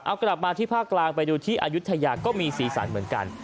เอากลับมาที่ภาคกลางไปดูที่อายุทยาก็มีสีสันเหมือนกัน